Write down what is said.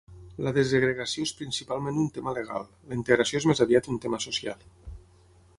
La desegregació és principalment un tema legal, la integració és més aviat un tema social.